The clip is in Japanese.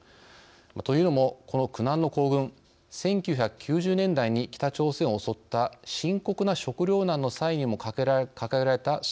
というのもこの苦難の行軍１９９０年代に北朝鮮を襲った深刻な食糧難の際にも掲げられたスローガンなのです。